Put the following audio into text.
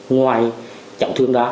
ngoài cháu thương đó